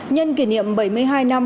nhân kỷ niệm bảy mươi hai năm